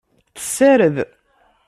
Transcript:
Tessared.